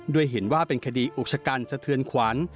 ด้วยเห็นว่าเป็นคดีอุกชะกันสะเทือนขวัญ